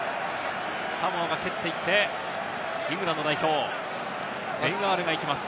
サモアが蹴っていって、イングランド代表ベン・アールが行きます。